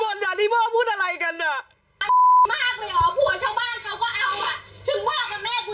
สุดจากพ่อบ้างหรือยังมึงไอ้ไม่เลิก